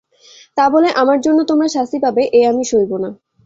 তা বলে আমার জন্যে তোমরা শাস্তি পাবে এ আমি সইব না।